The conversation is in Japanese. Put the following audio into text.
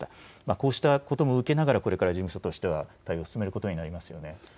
こうしたことも受けながら、これから事務所としては対話を進めることになりますね。